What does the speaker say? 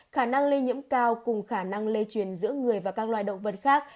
khả năng lây nhiễm cao cùng khả năng lây truyền giữa người và các loài động vật khác